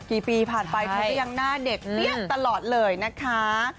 กี่ปีผ่านไปเธอก็ยังหน้าเด็กเปี้ยตลอดเลยนะคะ